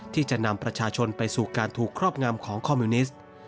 ที่จะนำประชาชนไปสู่การถูกครอบงำของคอมมิวนิสต์